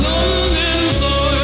ngóng lên rời